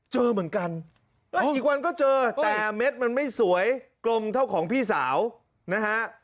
เจอเหมือนกันอีกวันก็เจอแต่เม็ดมันไม่สวยกลมเท่าของพี่สาวนะฮะ